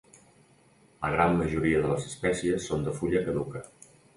La gran majoria de les espècies són de fulla caduca.